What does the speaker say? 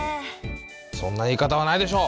そんな言い方はないでしょ！